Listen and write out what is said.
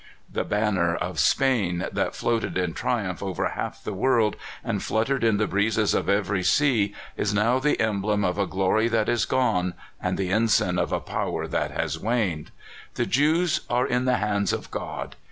The ban ners of Spain, that floated in triumph over, half the world, and fluttered in the breez.es of every sea, is now the emblem of a glory that is gone, and the ensign of a power that has waned. The Jews are in the hands of God.